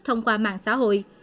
thông qua mạng xã hội